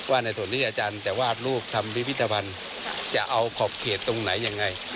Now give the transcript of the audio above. ในส่วนที่อาจารย์จะวาดรูปทำพิพิธภัณฑ์จะเอาขอบเขตตรงไหนยังไง